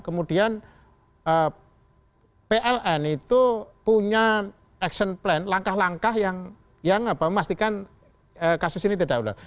kemudian pln itu punya action plan langkah langkah yang memastikan kasus ini tidak ulang